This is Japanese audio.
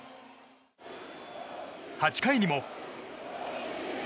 ８回にも。